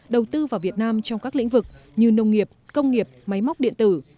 đầu tư vào việt nam trong các lĩnh vực như nông nghiệp công nghiệp máy móc điện tử